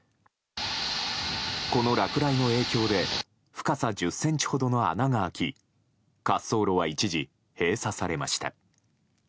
この落雷の影響で深さ１０ｃｍほどの穴が開き滑走路は一時閉鎖されました。